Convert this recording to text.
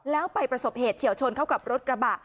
แล้วไปประสบเหตุเฉียวชนเข้ากับรถกระบะ